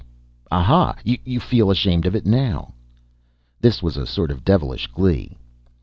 Aha! you feel ashamed of it now!" This was a sort of devilish glee.